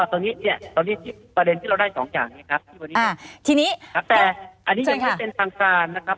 ตรงนี้ประเด็นที่เราได้๒อย่างแต่อันนี้ยังไม่เป็นทางการนะครับ